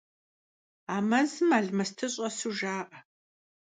А мэзым алмэсты щӏэсу жаӏэ.